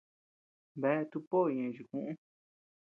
Bea tuʼu poʼo ñeʼe chikuʼü.